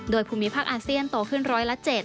โดยภูมิภาคอาเซียนโตขึ้นร้อยละ๗